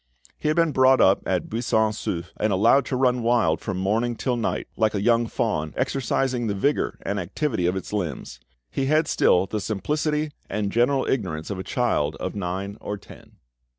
He had been brought up at Buisson Souef, and allowed to run wild from morning till night, like a young fawn, exercising the vigour and activity of its limbs. He had still the simplicity and general ignorance of a child of nine or ten.